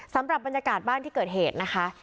สำหรับบรรยากาศบ้านที่เกิดเหตุนะคะ